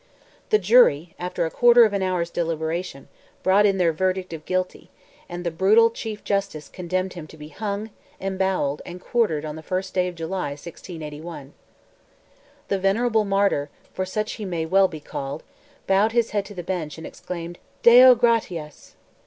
The Jury, after a quarter of an hour's deliberation, brought in their verdict of guilty, and the brutal Chief Justice condemned him to be hung, emboweled, and quartered on the 1st day of July, 1681. The venerable martyr, for such he may well be called, bowed his head to the bench, and exclaimed: _Deo gratias!